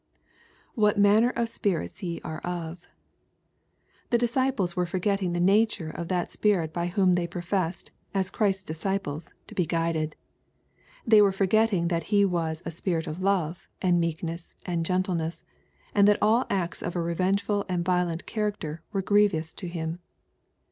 [ What Tnanner of spirit ye are of^ The disciples were forgetting the nature of that Spirit by whom they professed, as Christ's disciples, to be guided. They were forgetting that He was a Spirit of love and meekness and gentleness, and that all acts of a revengeful and violent character were grievous to Him.